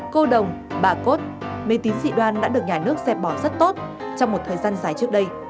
cô đồng bà cốt mê tín dị đoan đã được nhà nước dẹp bỏ rất tốt trong một thời gian dài trước đây